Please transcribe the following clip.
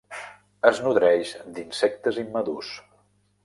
Es nodreix d'insectes immadurs.